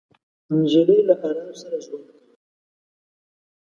نجلۍ له ارام سره ژوند کوي.